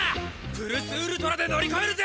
プルスウルトラで乗り越えるぜ！